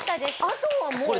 あとはもう。